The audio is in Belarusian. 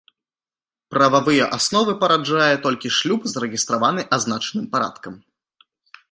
Прававыя асновы параджае толькі шлюб, зарэгістраваны азначаным парадкам.